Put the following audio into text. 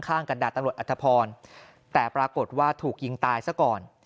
กับดาบตำรวจอัธพรแต่ปรากฏว่าถูกยิงตายซะก่อน